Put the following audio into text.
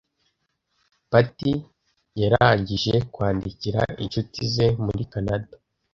Patty yarangije kwandikira inshuti ze muri Kanada.